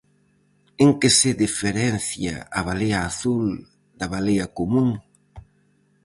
En que se diferencia a balea azul da balea común?